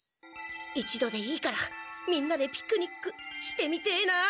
一度でいいからみんなでピクニックしてみてえなあ。